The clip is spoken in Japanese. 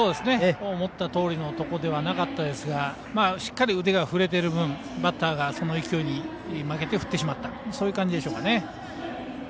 思ったとおりのところではなかったですがしっかり腕が振れてる分バッターがその勢いに負けて振ってしまったという感じでしょうか。